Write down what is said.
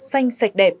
xanh sạch đẹp